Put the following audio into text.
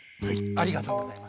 ありがとうございます。